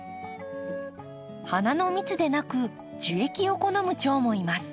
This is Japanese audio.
花の蜜でなく樹液を好むチョウもいます。